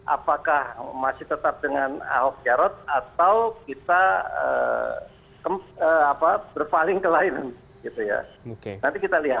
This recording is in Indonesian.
apakah masih tetap dengan ahok jarod atau kita berpaling ke lainan